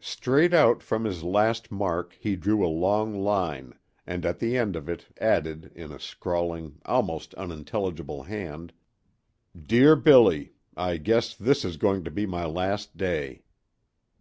Straight out from his last mark he drew a long line, and at the end of it added in a scrawling, almost unintelligible, hand: "Dear Billy, I guess this is going to be my last day."